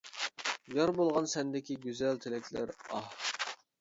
يار بولغاچ سەندىكى گۈزەل تىلەكلەر، ئاھ!